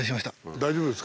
大丈夫です。